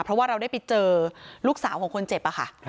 เพราะว่าเราได้ไปเจอลูกสาวของคนเจ็บค่ะ